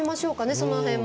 その辺も。